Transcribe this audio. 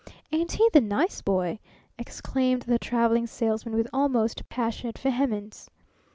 "Ain't he the nice boy!" exclaimed the Traveling Salesman with almost passionate vehemence.